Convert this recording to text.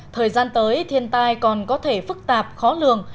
thời gian tới thiên tai còn có thể phức tạp khó lường